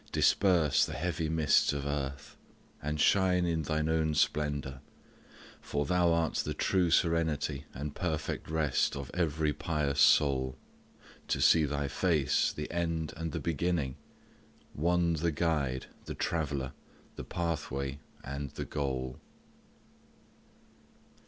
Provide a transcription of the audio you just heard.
Disperse the heavy mists of earth, And shine in Thine own splendour. For Thou art The true serenity and perfect rest Of every pious soul to see Thy face, The end and the beginning One the guide, The traveller, the pathway, and the goal.